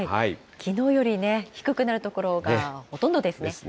きのうより低くなる所がほとんどですね。